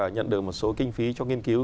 nhận được một số kinh phí cho nghiên cứu